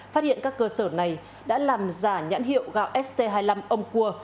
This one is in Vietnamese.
phát hiện các cơ sở này đã làm giả nhãn hiệu gạo st hai mươi năm ông cua